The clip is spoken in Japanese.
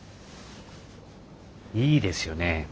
いいですよね